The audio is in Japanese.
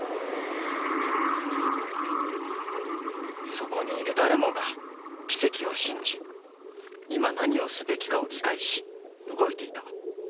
そこにいる誰もが奇跡を信じ今何をすべきかを理解し動いていた